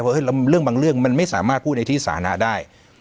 เพราะเรื่องบางเรื่องมันไม่สามารถพูดในที่สานะได้